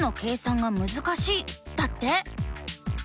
だって。